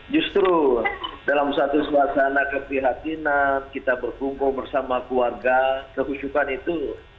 justru dalam suatu suasana keprihatinan kita berkumpul bersama keluarga kehusukan itu